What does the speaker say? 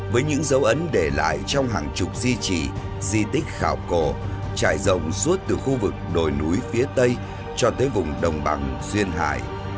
với những dấu ấn để lại trong hàng chục di trị di tích khảo cổ trải rộng suốt từ khu vực đồi núi phía tây cho tới vùng đồng bằng duyên hải